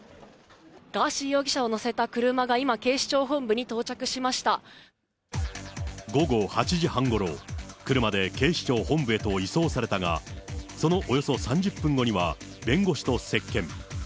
ガーシー容疑者を乗せた車が今、午後８時半ごろ、車で警視庁本部へと移送されたが、そのおよそ３０分後には、弁護士と接見。